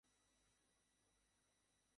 তুই বসে থাক।